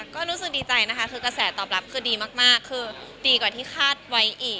ก็รู้สึกดีใจนะคะคือกระแสตอบรับคือดีมากคือดีกว่าที่คาดไว้อีก